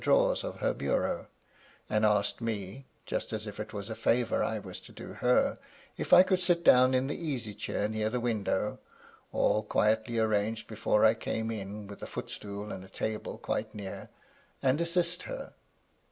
67 drawers of her bureau, and asked me — ^just as if it was a fevour I was to do her — ^if I could sit down in the easy chabr near the window— (all quietly arranged before I came in, with a footstool, and a table quite near) — and assist her.